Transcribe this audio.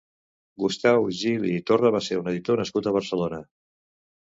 Gustau Gili i Torra va ser un editor nascut a Barcelona.